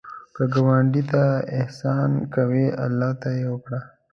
که ګاونډي ته احسان کوې، الله ته یې وکړه